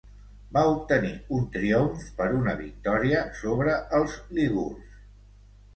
Va obtenir un triomf per una victòria sobre els lígurs.